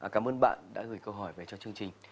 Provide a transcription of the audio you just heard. cảm ơn bạn đã gửi câu hỏi về cho chương trình